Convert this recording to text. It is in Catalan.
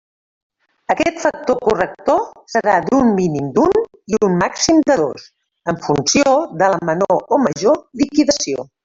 Aquest factor corrector serà d'un mínim d'un i un màxim de dos, en funció de la menor o major liquidació.